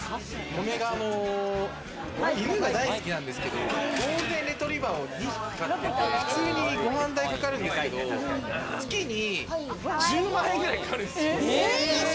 嫁が犬が大好きなんですけれども、ゴールデンレトリバーを２匹飼ってて、普通にご飯代かかるんですけれども、月に１０万円くらいかかるんですよ。